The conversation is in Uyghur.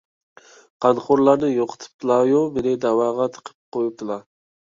قانخورلارنى يوقىتىپلايۇ، مېنى دەۋاغا تىقىپ قويۇپتىلا.